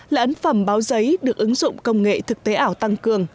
là ấn phẩm báo giấy được ứng dụng công nghệ thực tế ảo tăng cường